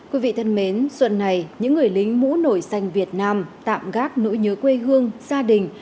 quý vị thân mến xuân này những người lính mũ nổi xanh việt nam tạm gác nỗi nhớ quê hương gia đình